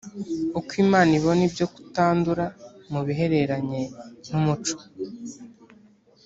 uko imana ibona ibyo kutandura mu bihereranye n umuco